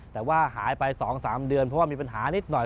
แต่ว่าหายไป๒๓เดือนเพราะว่ามีปัญหานิดหน่อย